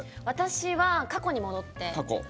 私は過去にもどって。